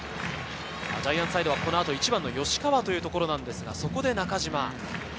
ジャイアンツサイドはこのあと１番・吉川というところですが、そこで中島。